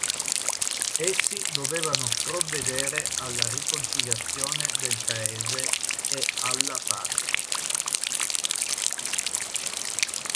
Essi dovevano provvedere alla riconciliazione del paese e alla pace.